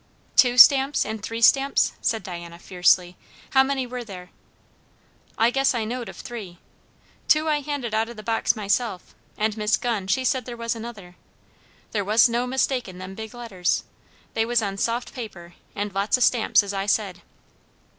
"Two stamps and three stamps?" said Diana fiercely; "how many were there?" "I guess I knowed of three. Two I handed out o' the box myself; and Miss Gunn, she said there was another. There was no mistakin' them big letters. They was on soft paper, and lots o' stamps, as I said."